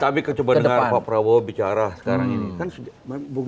tapi coba dengar pak prabowo bicara sekarang ini kan